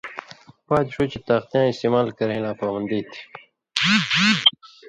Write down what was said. پاتیۡ ݜُو چے طاقتیاں استعمال کرَیں لا پابندی تھی،